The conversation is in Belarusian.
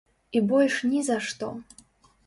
І больш ні за што.